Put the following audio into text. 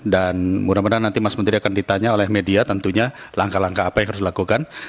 dan mudah mudahan nanti mas menteri akan ditanya oleh media tentunya langkah langkah apa yang harus dilakukan